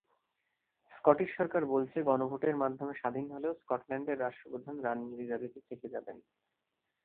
Scottish সরকার বলছে, গণভোটের মাধ্যমে স্বাধীন হলেও স্কটল্যান্ডের রাষ্ট্রপ্রধান রানি এলিজাবেথই থেকে যাবেন।